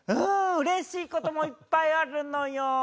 うれしい事もいっぱいあるのよ。